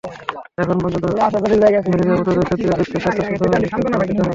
এখন পর্যন্ত ম্যালেরিয়া প্রতিরোধের ক্ষেত্রে বিশ্ব স্বাস্থ্য সংস্থা অনুমোদিত কোনো টীকা নেই।